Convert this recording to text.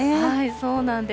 そうなんです。